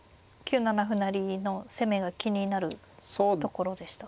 成の攻めが気になるところでしたか？